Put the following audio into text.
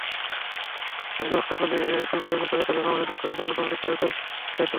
শাহনেওয়াজ কাকলী স্বল্পদৈর্ঘ্য চলচ্চিত্র বিভাগে বাংলাদেশের পক্ষ থেকে অন্যতম বিচারকের দায়িত্ব পালন করবেন।